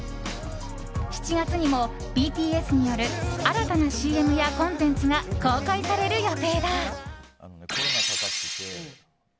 ７月にも、ＢＴＳによる新たなＣＭやコンテンツが公開される予定だ。